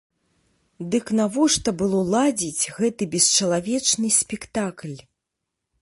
Дык навошта было ладзіць гэты бесчалавечны спектакль?